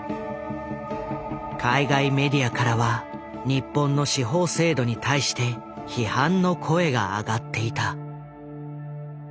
海外メディアからは日本の司法制度に対して批判の声が上がっていた。